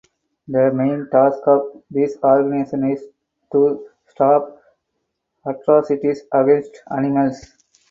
The main task of this organization is to stop atrocities against animals.